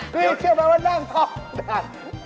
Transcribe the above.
พี่เชื่อมันว่านั่งท่องดัง